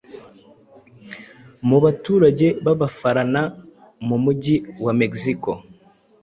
mu baturage bAbafarana mu Mujyi wa Mexico